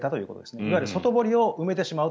いわゆる外堀を埋めてしまおうと。